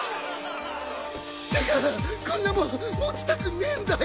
だからこんなもん持ちたくねえんだよ。